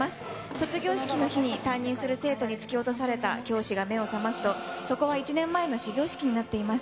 卒業式の日に、担任する生徒に突き落とされた教師が目を覚ますと、そこは１年前の始業式になっています。